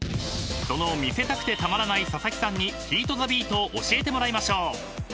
［その見せたくてたまらない佐々木さんにＨＩＩＴｔｈｅＢｅａｔを教えてもらいましょう］